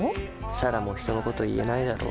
彩良も人のこと言えないだろ。